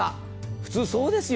普通そうですよ。